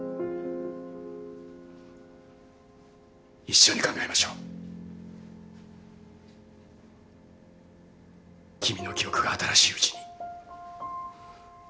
一緒に考えましょう君の記憶が新しいうちに。